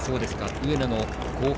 上野の後方